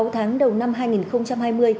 sáu tháng đầu năm hai nghìn hai mươi